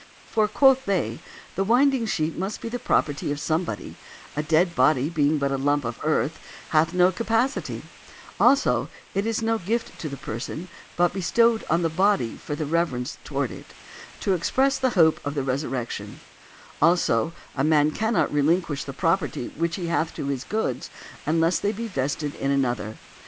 For, quoth they, the winding sheet must be the property of somebody; a dead body, being but a lump of earth, hath no capacity; also, it is no gift to the person, but bestowed on the body for the reverence toward it, to express the hope of the resurrection; also, a man cannot relinquish the property he hath to his goods unless they be vested in another .